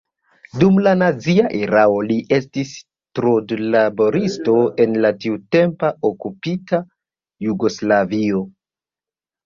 Dum la nazia erao li estis trudlaboristo en la tiutempa okupita Jugoslavio.